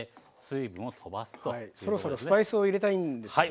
そろそろスパイスを入れたいんですよね。